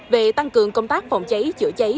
về tăng cường công tác phòng cháy chữa cháy